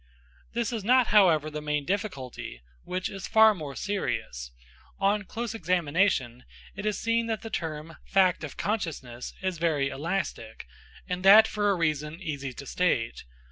This is not, however, the main difficulty, which is far more serious. On close examination, it is seen that the term, fact of consciousness, is very elastic, and that for a reason easy to state.